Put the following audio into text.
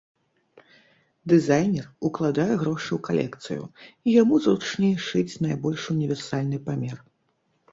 Дызайнер укладае грошы ў калекцыю, і яму зручней шыць найбольш універсальны памер.